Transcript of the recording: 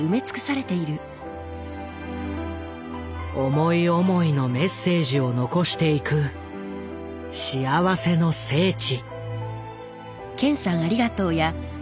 思い思いのメッセージを残していく幸せの聖地。